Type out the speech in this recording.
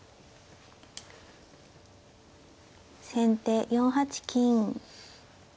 先手４八金。